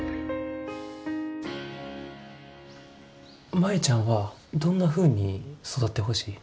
舞ちゃんはどんなふうに育ってほしい？